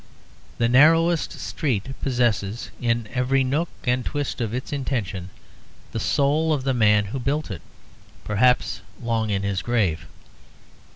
The narrowest street possesses, in every crook and twist of its intention, the soul of the man who built it, perhaps long in his grave.